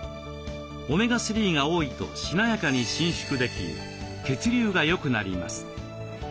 オメガ３が多いとしなやかに伸縮でき血流がよくなります。